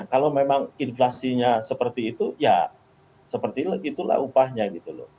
kalau memang inflasinya seperti itu ya seperti itulah upahnya gitu loh